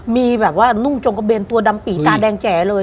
มีแบบว่านุ่งจงกระเบนตัวดำปี่ตาแดงแจ๋เลย